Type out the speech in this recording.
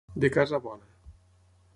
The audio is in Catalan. De casa bona.